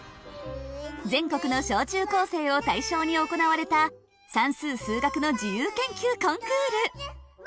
全国の小中高生を対象に行われた算数・数学の自由研究コンクール。